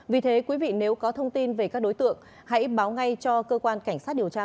vì thế quý vị nếu có thông tin về các đối tượng hãy báo ngay cho cơ quan cảnh sát điều tra